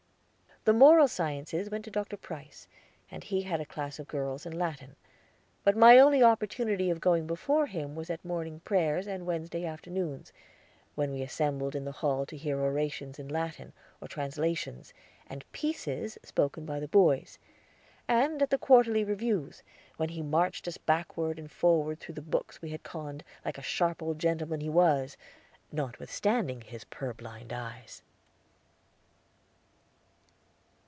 The Moral Sciences went to Dr. Price, and he had a class of girls in Latin; but my only opportunity of going before him was at morning prayers and Wednesday afternoons, when we assembled in the hall to hear orations in Latin, or translations, and "pieces" spoken by the boys; and at the quarterly reviews, when he marched us backward and forward through the books we had conned, like the sharp old gentleman he was, notwithstanding his purblind eyes.